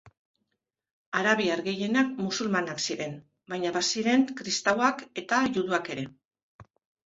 Arabiar gehienak musulmanak ziren, baina baziren kristauak eta juduak ere.